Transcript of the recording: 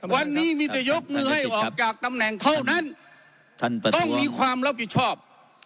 วันนี้มีแต่ยกมือให้ออกจากตำแหน่งเท่านั้นต้องมีความรับผิดชอบ